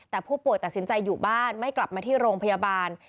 แต่ผู้ป่วยตัดสินใจอยู่บ้านไม่กลับมาที่โรงพยาบาล